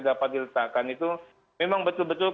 dapat diletakkan itu memang betul betul